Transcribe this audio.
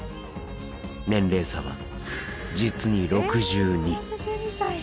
年齢差は実に６２。